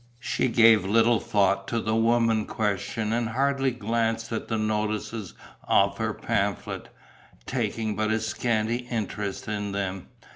She gave little thought to the woman question and hardly glanced at the notices of her pamphlet, taking but a scanty interest in them.